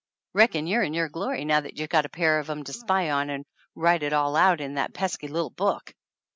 Reckon you're in your glory, now that you've got a pair of 'em to spy on and write it all out in that pesky little book